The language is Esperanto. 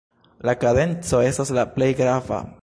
La kadenco estas la plej grava.